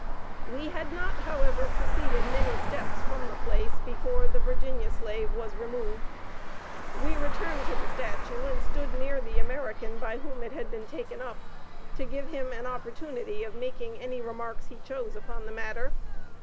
We had not, however, proceeded many steps from the place before the 'Virginia Slave' was removed. We returned to the statue, and stood near the American by whom it had been taken up, to give him an opportunity of making any remarks he chose upon the matter.